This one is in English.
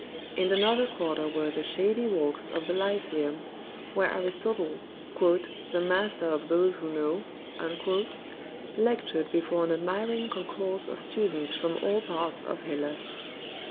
In another quarter were the shady walks of the Lyceum, where Aristotle, "the master of those who know," lectured before an admiring concourse of students from all parts of Hellas.